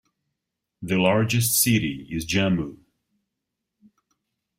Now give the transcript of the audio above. The largest city is Jammu.